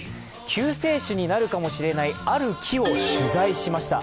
救世主になるかもしれないある木を取材しました。